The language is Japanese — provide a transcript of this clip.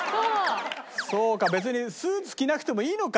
そうか別にスーツ着なくてもいいのか。